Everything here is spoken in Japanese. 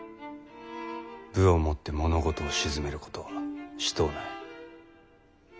武をもって物事を鎮めることはしとうない。